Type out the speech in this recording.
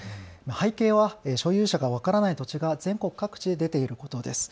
背景は所有者が分からない土地が全国各地に出ていることです。